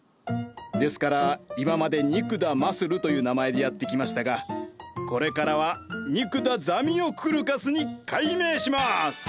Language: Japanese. ですから今まで肉田マスルという名前でやってきましたがこれからは肉田ザミオクルカスに改名します！